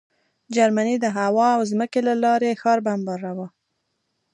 جرمني د هوا او ځمکې له لارې ښار بمباراوه